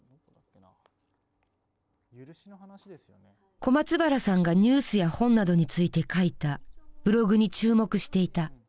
小松原さんがニュースや本などについて書いたブログに注目していた。